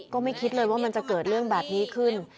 ก็ไม่คิดเลยว่ามันจะเกิดเรื่องแบบนี้ขึ้น